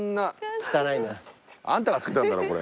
汚いな。あんたが付けたんだろこれ。